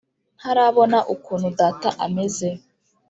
ntarabona ukuntu data ameze